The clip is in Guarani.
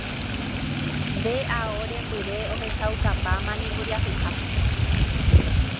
Nde ao rembyre ohechaukapáma nemboriahuha.